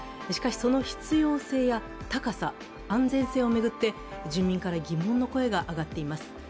しかし、その必要性や高さ、安全性を巡って、住民から疑問の声が上がっています。